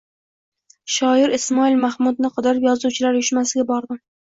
shoir Ismoil Mahmudni qidirib Yozuvchilar uyushmasiga bordim.